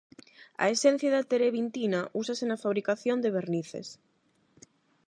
A esencia da terebintina úsase na fabricación de vernices.